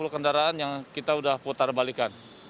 enam puluh kendaraan yang kita sudah putar balikan